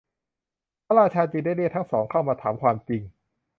พระราชาจึงได้เรียกทั้งสองเข้ามาถามความจริง